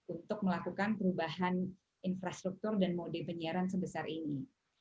untuk melakukan perubahan infrastruktur dan mode penyiaran sebesar ini